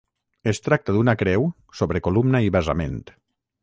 Es tracta d'una creu sobre columna i basament.